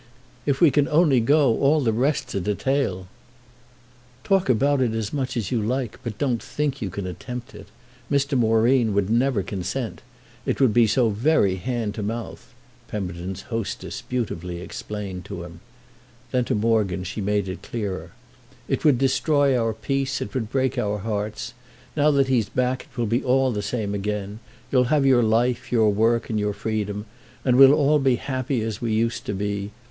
"If we can only go all the rest's a detail." "Talk about it as much as you like, but don't think you can attempt it. Mr. Moreen would never consent—it would be so very hand to mouth," Pemberton's hostess beautifully explained to him. Then to Morgan she made it clearer: "It would destroy our peace, it would break our hearts. Now that he's back it will be all the same again. You'll have your life, your work and your freedom, and we'll all be happy as we used to be.